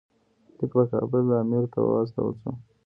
لیک په کابل امیر ته واستول شي.